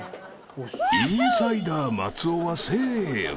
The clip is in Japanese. ［インサイダー松尾はセーフ］